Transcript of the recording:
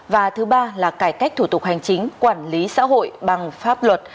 và thứ ba là cải cách thủ tục hành chính quản lý xã hội bằng pháp luật